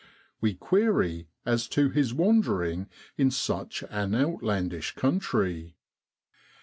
We query as to his wandering in such an outlandish country.